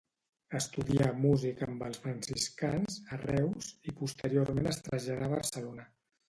Estudià música amb els Franciscans, a Reus, i posteriorment es traslladà a Barcelona.